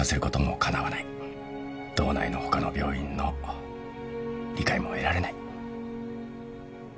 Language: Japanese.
道内の他の病院の理解も得られない。